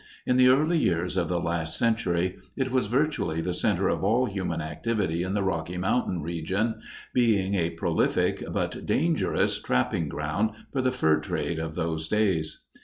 In the early years of the last century it was virtually the center of all human activity in the Rocky Mountain region, being a prolific, but dangerous, trapping ground for the fur trade of those days.